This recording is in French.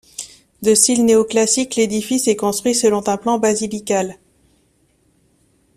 De style néo-classique, l'édifice est construit selon un plan basilical.